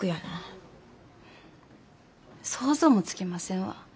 想像もつきませんわ。